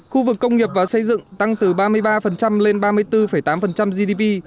khu vực công nghiệp và xây dựng tăng từ ba mươi ba lên ba mươi bốn tám gdp